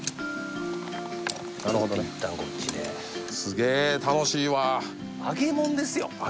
なるほどねいったんこっちですげえ楽しいわ揚げもんですよ